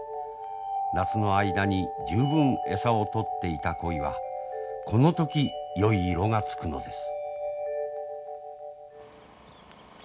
夏の間に十分餌をとっていた鯉はこの時よい色がつくのです。